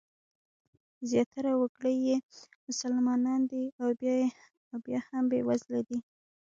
زیاتره وګړي یې مسلمانان دي او بیا هم بېوزله دي.